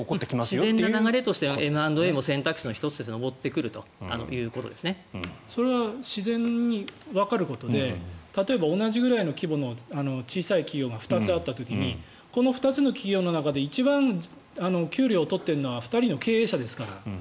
自然な流れとしてＭ＆Ａも選択肢としてそれは自然にわかることで例えば、同じぐらいの規模の小さい企業が２つあった時にこの２つの企業の中で一番給料を取っているのは２人の経営者ですから。